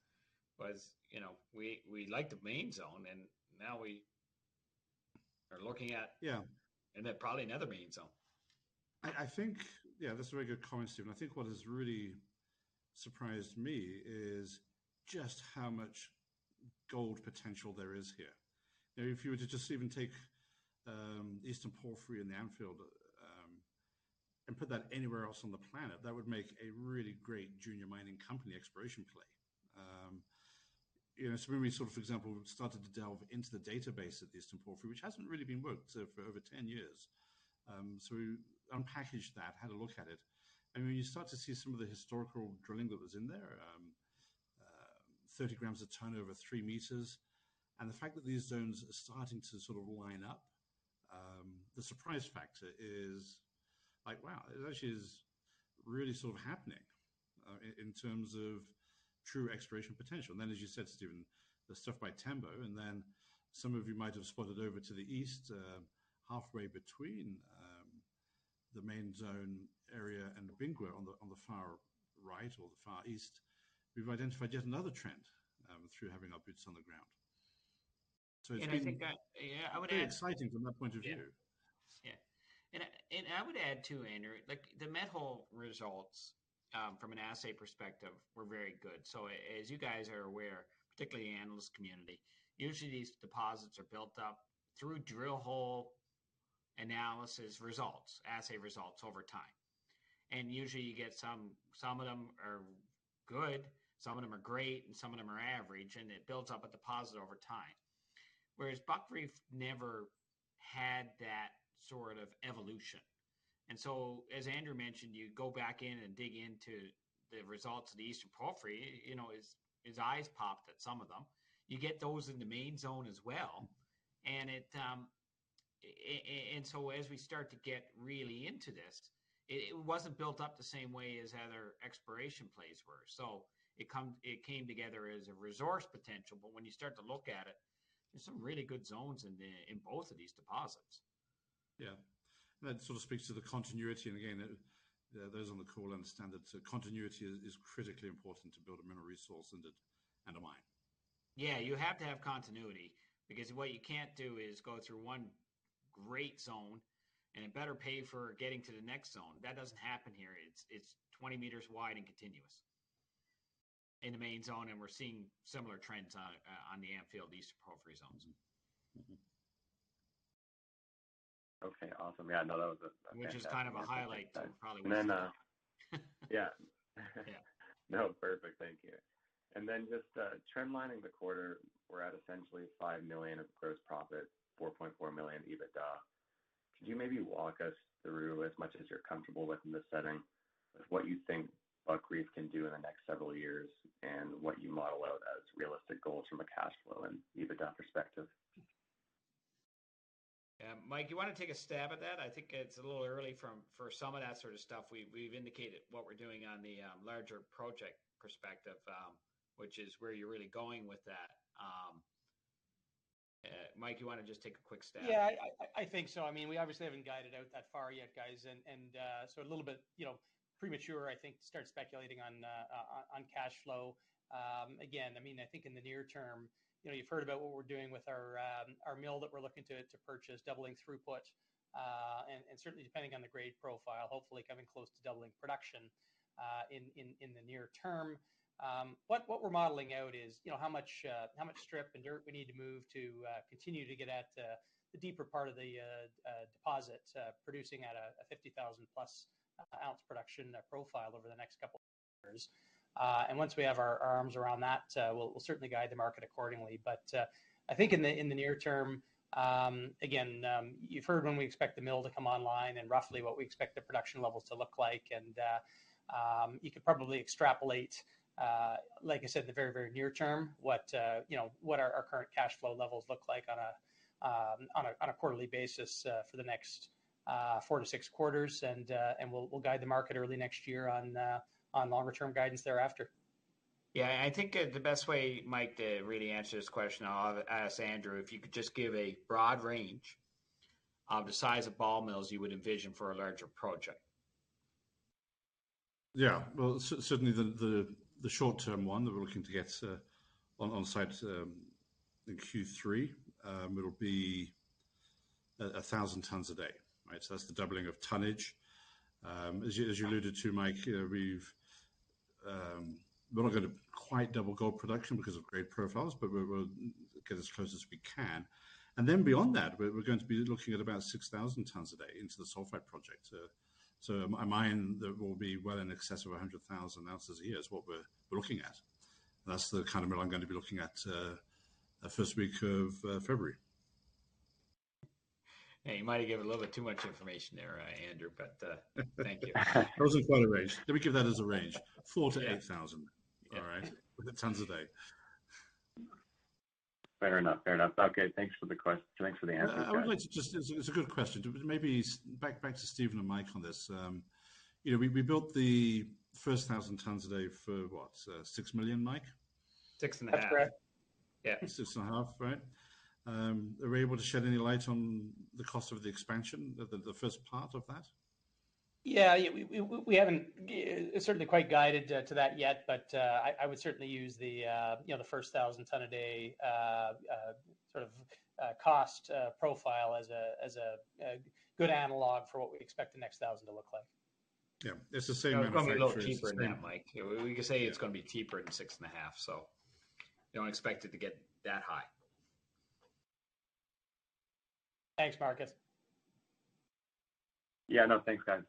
you know, we like the main zone, and now we are looking at. Yeah Probably another main zone. I think, yeah, that's a very good comment, Stephen. I think what has really surprised me is just how much gold potential there is here. You know, if you were to just even take Eastern Porphyry and Anfield, and put that anywhere else on the planet, that would make a really great junior mining company exploration play. You know, when we sort of, for example, started to delve into the database at the Eastern Porphyry, which hasn't really been worked, for over 10 years. We unpackaged that, had a look at it, and when you start to see some of the historical drilling that was in there, 30 g a ton over 3 m, and the fact that these zones are starting to sort of line up, the surprise factor is like, wow, it actually is really sort of happening in terms of true exploration potential. As you said, Stephen, the stuff by Tembo, and then some of you might have spotted over to the east, halfway between the main zone area and the Bingwa on the, on the far right or the far east, we've identified yet another trend through having our boots on the ground. It's been. I think that. Yeah, I would. Very exciting from that point of view. Yeah. Yeah. I would add too, Andrew, like the metal results from an assay perspective were very good. As you guys are aware, particularly analyst community, usually these deposits are built up through drill hole analysis results, assay results over time. Usually you get some of them are good, some of them are great, and some of them are average, and it builds up a deposit over time. Whereas Buckreef never had that sort of evolution. As Andrew mentioned, you go back in and dig into the results of the Eastern Porphyry, you know, his eyes popped at some of them. You get those in the main zone as well, and as we start to get really into this, it wasn't built up the same way as other exploration plays were. It came together as a resource potential, but when you start to look at it, there's some really good zones in both of these deposits. Yeah. That sort of speaks to the continuity, and again, those on the call understand that continuity is critically important to build a mineral resource and a mine. Yeah, you have to have continuity because what you can't do is go through one great zone and it better pay for getting to the next zone. That doesn't happen here. It's 20 meters wide and continuous in the main zone, and we're seeing similar trends on the Anfield Eastern Porphyry zones. Mm-hmm. Okay, awesome. Yeah, no, that was a. Which is kind of a highlight probably. Yeah. Yeah. No, perfect. Thank you. Just, trend lining the quarter, we're at essentially $5 million of gross profit, $4.4 million EBITDA. Could you maybe walk us through, as much as you're comfortable with in this setting, of what you think Buckreef can do in the next several years and what you model out as realistic goals from a cash flow and EBITDA perspective? Mike, you wanna take a stab at that? I think it's a little early for some of that sort of stuff. We've indicated what we're doing on the larger project perspective, which is where you're really going with that. Mike, you wanna just take a quick stab? Yeah, I think so. I mean, we obviously haven't guided out that far yet, guys, a little bit, you know, premature, I think, to start speculating on cash flow. Again, I mean, I think in the near term, you know, you've heard about what we're doing with our mill that we're looking to purchase, doubling throughput. Certainly depending on the grade profile, hopefully coming close to doubling production in the near term. What we're modeling out is, you know, how much strip and dirt we need to move to continue to get at the deeper part of the deposit, producing at a 50,000 plus ounce production profile over the next couple years. Once we have our arms around that, we'll certainly guide the market accordingly. I think in the near term, again, you've heard when we expect the mill to come online and roughly what we expect the production levels to look like. You could probably extrapolate, like I said, the very, very near term, what, you know, what our current cash flow levels look like on a quarterly basis, for the next four to six quarters. We'll guide the market early next year on longer term guidance thereafter. Yeah, I think, the best way, Mike, to really answer this question, I'll ask Andrew, if you could just give a broad range of the size of ball mills you would envision for a larger project. Well, certainly the short-term one that we're looking to get on site in Q3, it'll be 1,000 tons a day, right? That's the doubling of tonnage. As you alluded to, Mike Niehuser, you know, we've, we're not gonna quite double gold production because of grade profiles, but we will get as close as we can. Beyond that, we're going to be looking at about 6,000 tons a day into the sulfide project. A mine that will be well in excess of 100,000 ounces a year is what we're looking at. That's the kind of mill I'm gonna be looking at the first week of February. Yeah, you might have given a little bit too much information there, Andrew. Thank you. That was in quite a range. Let me give that as a range. $4,000-$8,000. Yeah. All right? The tons a day. Fair enough. Fair enough. Okay. Thanks for the answers, guys. I would like to just... It's a good question. maybe back to Stephen and Mike on this. you know, we built the first 1,000 tons a day for what? $6 million, Mike? Six and a half. That's correct. Yeah. Six and a half, right? Are we able to shed any light on the cost of the expansion, the first part of that? Yeah. We haven't certainly quite guided to that yet, but I would certainly use the, you know, the first 1,000 ton a day sort of cost profile as a good analog for what we expect the next 1,000 to look like. Yeah. It's the same manufacturer, same- It's gonna be a little cheaper than that, Mike. We could say it's gonna be cheaper than six and a half, so don't expect it to get that high. Thanks, Marcus. Yeah. No, thanks, guys.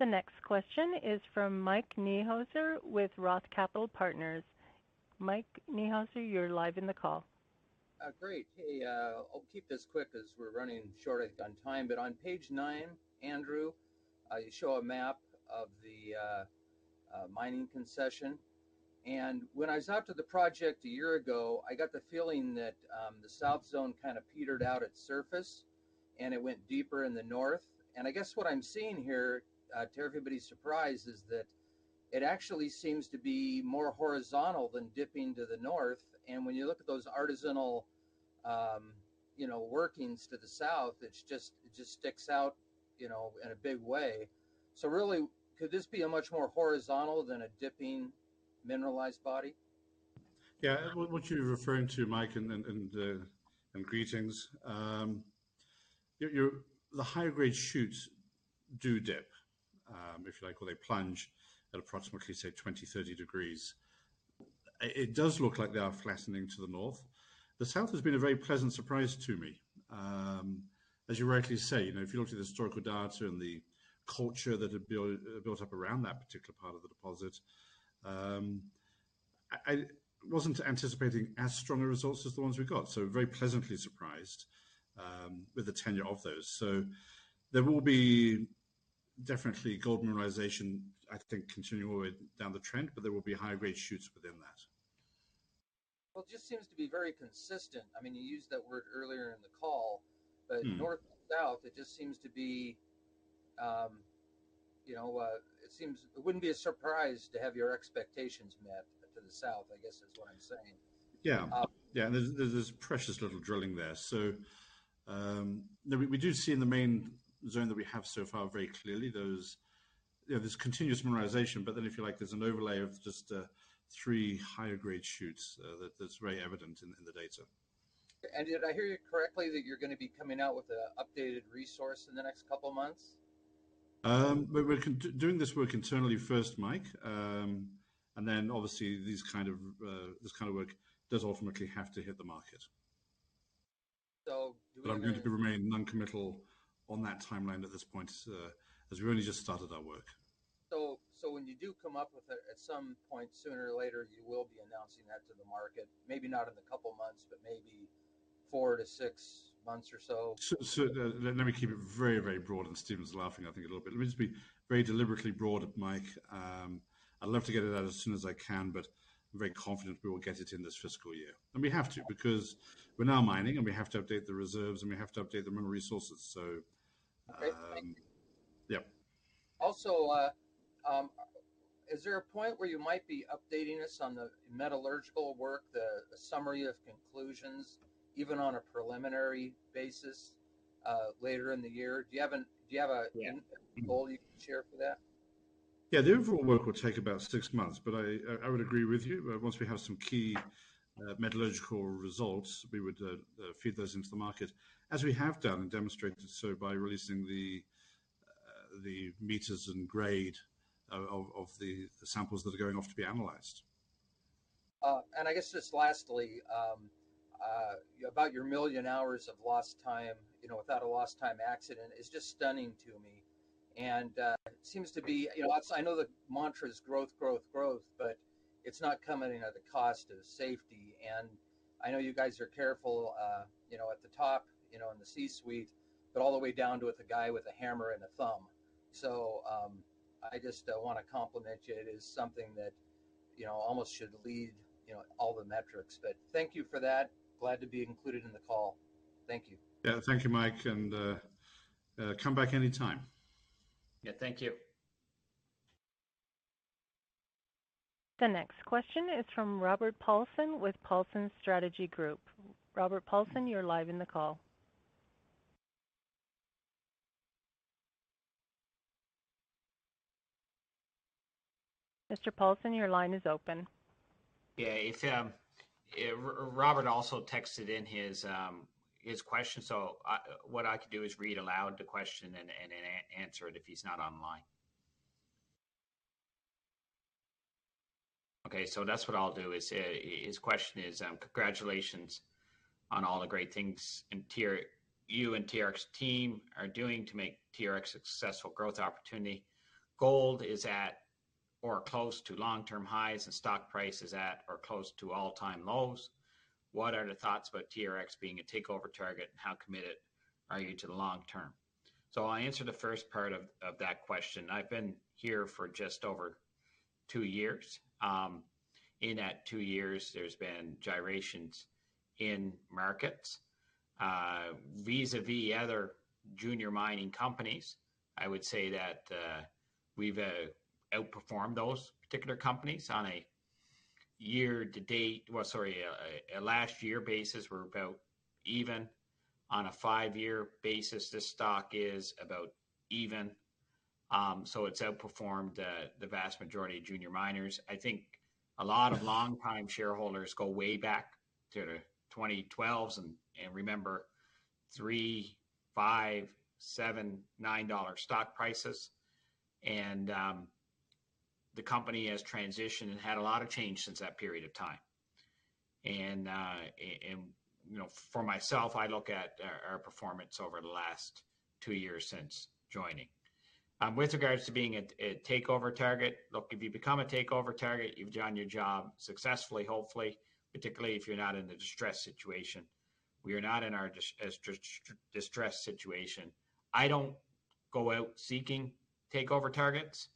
The next question is from Mike Niehuser with Roth Capital Partners. Mike Niehuser, you're live in the call. Great. Hey, I'll keep this quick as we're running short on time. On Page 9, Andrew, you show a map of the mining concession. When I was out to the project one year ago, I got the feeling that the south zone kinda petered out at surface, and it went deeper in the north. I guess what I'm seeing here, to everybody's surprise, is that it actually seems to be more horizontal than dipping to the north. When you look at those artisanal, you know, workings to the south, it's just, it just sticks out, you know, in a big way. Really, could this be a much more horizontal than a dipping mineralized body? Yeah. What you're referring to, Mike, greetings. The higher grade shoots do dip, if you like, or they plunge at approximately, say, 20, 30 degrees. It does look like they are flattening to the north. The south has been a very pleasant surprise to me. As you rightly say, you know, if you look at the historical data and the culture that had built up around that particular part of the deposit, I wasn't anticipating as strong a results as the ones we got, so very pleasantly surprised with the tenure of those. There will be definitely gold mineralization, I think, continuing all the way down the trend, but there will be high-grade shoots within that. Well, it just seems to be very consistent. I mean, you used that word earlier in the call. Mm-hmm. North to south, it just seems to be, you know, it seems it wouldn't be a surprise to have your expectations met to the south, I guess is what I'm saying. Yeah. Um- Yeah. There's this precious little drilling there. We do see in the main zone that we have so far very clearly, those. You know, there's continuous mineralization, if you like, there's an overlay of just three higher grade shoots that's very evident in the data. Did I hear you correctly that you're gonna be coming out with a updated resource in the next couple of months? We're doing this work internally first, Mike. Then obviously these kind of, this kind of work does ultimately have to hit the market. do we know- I'm going to remain non-committal on that timeline at this point, as we only just started our work. When you do come up with it, at some point sooner or later, you will be announcing that to the market. Maybe not in a couple of months, but maybe four to six months or so? Let me keep it very, very broad, and Stephen's laughing I think a little bit. Let me just be very deliberately broad, Mike. I'd love to get it out as soon as I can, but I'm very confident we will get it in this fiscal year. We have to because we're now mining, and we have to update the reserves, and we have to update the mineral resources. Okay, thank you. Yeah. Is there a point where you might be updating us on the metallurgical work, the summary of conclusions, even on a preliminary basis, later in the year? Do you have a- Yeah. -goal you can share for that? Yeah. The overall work will take about six months, but I would agree with you. Once we have some key metallurgical results, we would feed those into the market, as we have done and demonstrated so by releasing the meters and grade of the samples that are going off to be analyzed. I guess just lastly, about your million hours of lost time, you know, without a lost time accident is just stunning to me. Seems to be, you know, I know the mantra is growth, growth, but it's not coming at the cost of safety. I know you guys are careful, you know, at the top, you know, in the C-suite, but all the way down to with the guy with a hammer and a thumb. I just wanna compliment you. It is something that, you know, almost should lead, you know, all the metrics. Thank you for that. Glad to be included in the call. Thank you. Yeah. Thank you, Mike, and, come back anytime. Yeah. Thank you. The next question is from Robert Paulson with Paulson Strategy Group. Robert Paulson, you're live in the call. Mr. Paulson, your line is open. Yeah. It's Robert also texted in his question. What I could do is read aloud the question and answer it if he's not online. Okay, that's what I'll do is his question is, congratulations on all the great things and you and TRX team are doing to make TRX a successful growth opportunity. Gold is at or close to long-term highs and stock price is at or close to all-time lows. What are the thoughts about TRX being a takeover target, and how committed are you to the long term? I'll answer the first part of that question. I've been here for just over two years. In that two years, there's been gyrations in markets. Vis-à-vis other junior mining companies, I would say that we've outperformed those particular companies on a year to date. Well, sorry, a last year basis, we're about even. On a five-year basis, this stock is about even. It's outperformed the vast majority of junior miners. I think a lot of longtime shareholders go way back to 2012s and remember $3, $5, $7, $9 stock prices. The company has transitioned and had a lot of change since that period of time. You know, for myself, I look at our performance over the last two years since joining. With regards to being a takeover target. Look, if you become a takeover target, you've done your job successfully, hopefully, particularly if you're not in a distressed situation. We are not in our distressed situation. I don't go out seeking takeover targets.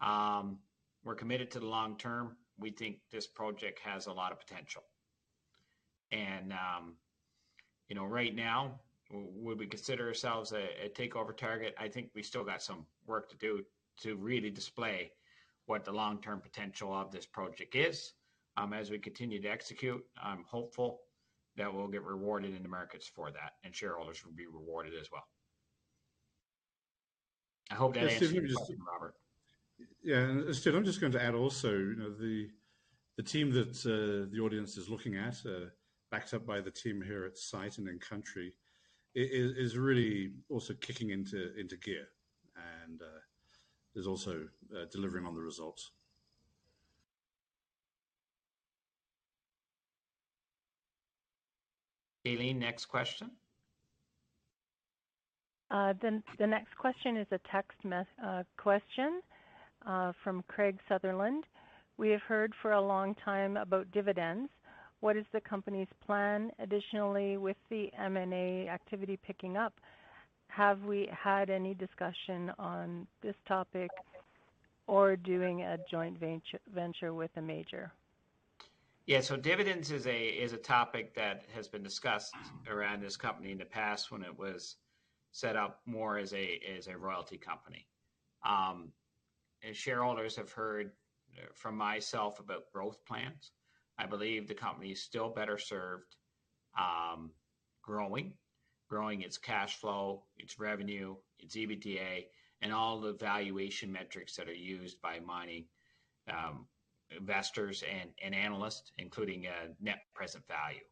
We're committed to the long term. We think this project has a lot of potential. You know, right now, would we consider ourselves a takeover target? I think we still got some work to do to really display what the long-term potential of this project is. As we continue to execute, I'm hopeful that we'll get rewarded in the markets for that, and shareholders will be rewarded as well. I hope that answers your question, Robert. Yeah. Stuart, I'm just going to add also, you know, the team that the audience is looking at, backed up by the team here at site and in country is really also kicking into gear and is also delivering on the results. Eileen, next question. The next question is a text question from Craig Sutherland. We have heard for a long time about dividends. What is the company's plan additionally with the M&A activity picking up? Have we had any discussion on this topic or doing a joint venture with a major? Yeah. Dividends is a topic that has been discussed around this company in the past when it was set up more as a, as a royalty company. And shareholders have heard from myself about growth plans. I believe the company is still better served, growing its cash flow, its revenue, its EBITDA, and all the valuation metrics that are used by mining investors and analysts, including net present value.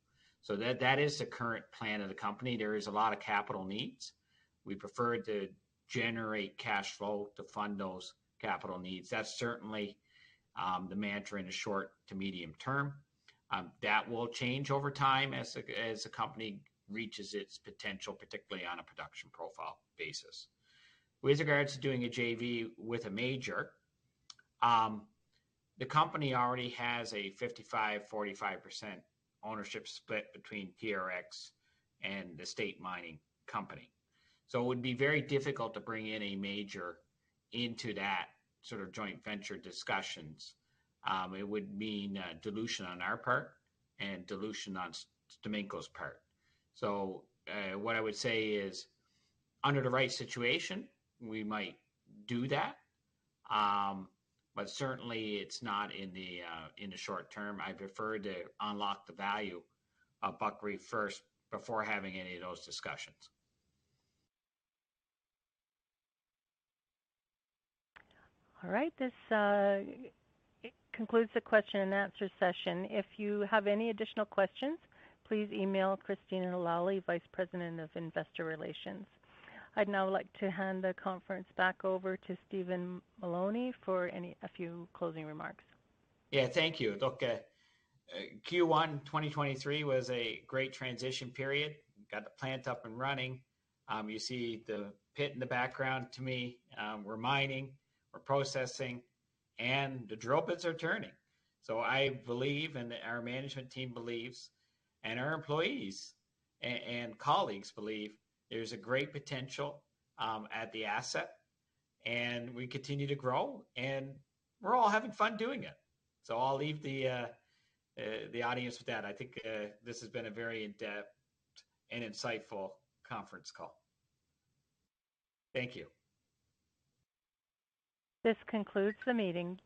That is the current plan of the company. There is a lot of capital needs. We prefer to generate cash flow to fund those capital needs. That's certainly the mantra in the short to medium term. That will change over time as the company reaches its potential, particularly on a production profile basis. With regards to doing a JV with a major, the company already has a 55%, 45% ownership split between TRX and the state mining company. It would be very difficult to bring in a major into that sort of joint venture discussions. It would mean dilution on our part and dilution on STAMICO's part. What I would say is, under the right situation, we might do that. Certainly it's not in the short term. I prefer to unlock the value of Buckreef first before having any of those discussions. All right. This concludes the question and answer session. If you have any additional questions, please email Christina Lalli, Vice President of Investor Relations. I'd now like to hand the conference back over to Stephen Mullowney for a few closing remarks. Yeah. Thank you. Look, Q1 2023 was a great transition period. We got the plant up and running. You see the pit in the background to me. We're mining, we're processing, and the drill bits are turning. I believe, and our management team believes, and our employees and colleagues believe there's a great potential at the asset, and we continue to grow, and we're all having fun doing it. I'll leave the audience with that. I think this has been a very in-depth and insightful conference call. Thank you. This concludes the meeting.